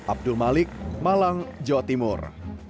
abdul malik malang jawa timur